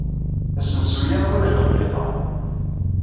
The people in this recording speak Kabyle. Asensu-a ur iqebbel iḍan.